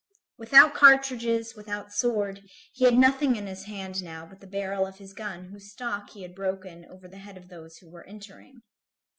Without cartridges, without sword, he had nothing in his hand now but the barrel of his gun whose stock he had broken over the head of those who were entering.